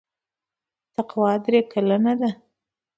تقوا درې کلنه ده.